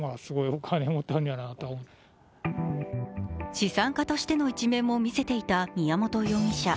資産家としての一面も見せていた宮本容疑者。